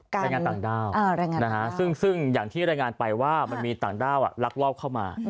รายงานต่างด้าวซึ่งอย่างที่รายงานไปว่ามันมีต่างด้าวลักลอบเข้ามา